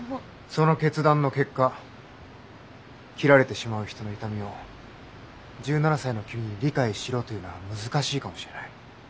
その決断の結果切られてしまう人の痛みを１７才の君に理解しろというのは難しいかもしれない。